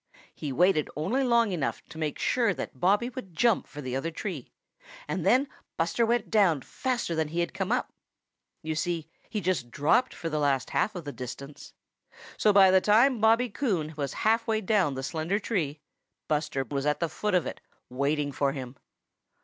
He waited only long enough to make sure that Bobby would jump for the other tree, and then Buster went down faster than he had come up. You see, he just dropped for the last half of the distance. So by the time Bobby Coon was half way down the slender tree, Buster Bear was at the foot of it, waiting for him.